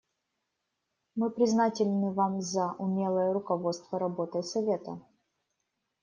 Мы признательны Вам за умелое руководство работой Совета.